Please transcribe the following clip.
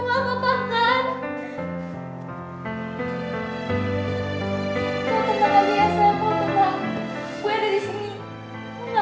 kamu udah lo tidur aja ya